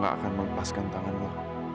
gue gak akan melepaskan tangan lo